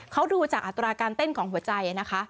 เขาดูจากอัตราการเต้นของหัวใจนะคะ